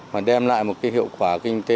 mà đem lại một cái hiệu quả kinh tế